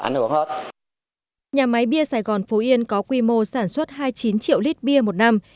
nhà máy bia sài gòn phú yên có quy mô sản xuất hai mươi chín triệu lít bia một năm